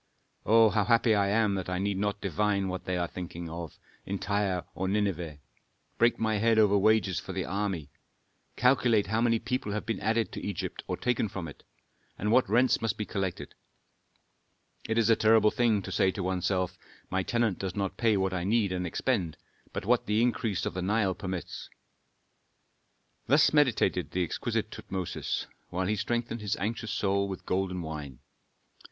Oh, how happy I am that I need not divine what they are thinking of in Tyre or Nineveh; break my head over wages for the army; calculate how many people have been added to Egypt or taken from it, and what rents must be collected. It is a terrible thing to say to one's self, 'My tenant does not pay what I need and expend, but what the increase of the Nile permits.'" Thus meditated the exquisite Tutmosis, while he strengthened his anxious soul with golden wine.